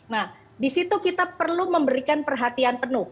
nah disitu kita perlu memberikan perhatian penuh